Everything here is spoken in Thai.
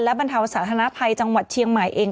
บรรเทาสาธารณภัยจังหวัดเชียงใหม่เอง